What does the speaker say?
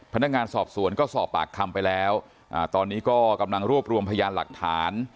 พนักงานสอบสวนก็สอบปากคำไปแล้วตอนนี้ก็กำลังรวบรวมพยานหลักฐาน